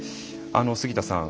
杉田さん